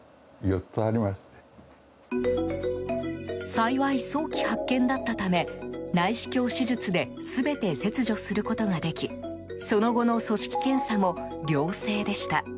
幸い、早期発見だったため内視鏡手術で全て切除することができその後の組織検査も良性でした。